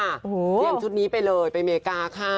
เตรียมชุดนี้ไปเลยไปอเมริกาค่ะ